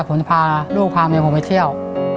ผมจะพาลูกพาเมียผมไปเที่ยว